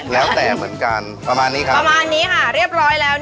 แล้วแต่เหมือนกันประมาณนี้ค่ะครับเรียบร้อยแล้ว